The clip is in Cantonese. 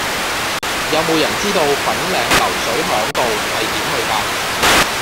有無人知道粉嶺流水響道係點去㗎